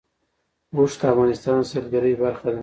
اوښ د افغانستان د سیلګرۍ برخه ده.